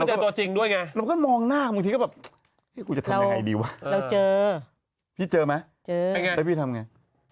แล้วเป็นตัวจริงด้วยไง